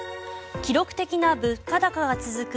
記録的な物価高が続く